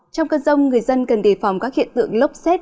trong cơn rông người dân cần đề phòng các hiện tượng lốc xét